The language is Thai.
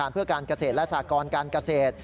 เพื่อการเกษตรและสตกเกษตร